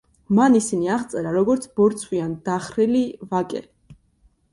მან ისინი აღწერა როგორც ბორცვიან დახრილი ვაკე.